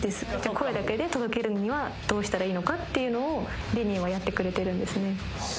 声だけで届けるにはどうしたらいいのかっていうのをレニーはやってくれてるんですね